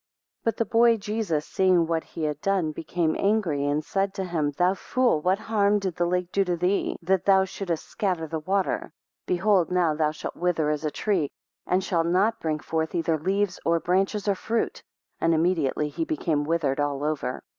2 But the boy Jesus seeing what he had done, became angry, and said to him, Thou fool, what harm did the lake do thee, that thou shouldest scatter the water? 3 Behold, now thou shalt wither as a tree, and shalt not bring forth either leaves, or branches, or fruit. 4 And immediately he became withered all over.